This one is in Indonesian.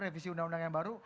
revisi undang undang yang baru